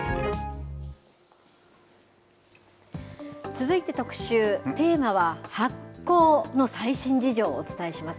続いて特集、テーマは発酵の最新事情をお伝えします。